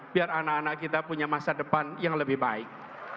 biar anak anak kita punya masa depan yang lebih baik